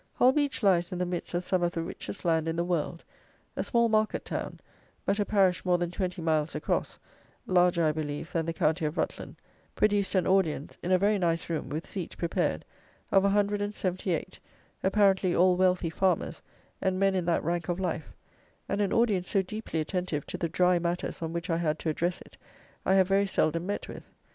Holbeach lies in the midst of some of the richest land in the world; a small market town, but a parish more than twenty miles across, larger, I believe, than the county of Rutland, produced an audience (in a very nice room, with seats prepared) of 178, apparently all wealthy farmers, and men in that rank of life; and an audience so deeply attentive to the dry matters on which I had to address it, I have very seldom met with.